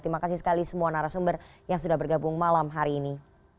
terima kasih sekali semua narasumber yang sudah bergabung malam hari ini